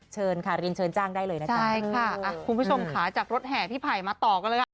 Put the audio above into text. เชิญค่ะเรียนเชิญจ้างได้เลยนะจ๊ะใช่ค่ะคุณผู้ชมค่ะจากรถแห่พี่ไผ่มาต่อกันเลยค่ะ